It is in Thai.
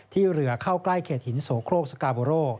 ที่เรือเข้าใกล้เขตหินโสโครกสกาโบโร